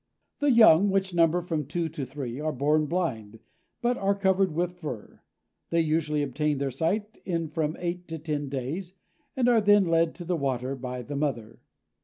The young, which number from two to three, are born blind, but are covered with fur. They usually obtain their sight in from eight to ten days, and are then led to the water by the mother.